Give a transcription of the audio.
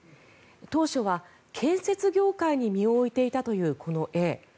当初は建設業界に身を置いていたというこのＡ。